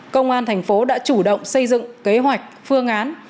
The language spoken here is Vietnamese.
công an thành phố đã chủ động xây dựng kế hoạch phương án